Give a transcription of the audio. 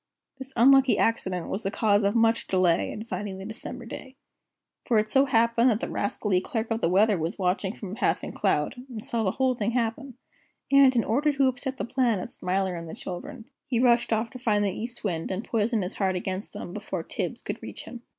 This unlucky accident was the cause of much delay in finding the December day. For it so happened that the rascally Clerk of the Weather was watching from a passing cloud, and saw the whole thing happen, and, in order to upset the plan of Smiler and the children, he rushed off to find the East Wind and poison his heart against them before Tibbs could reach him.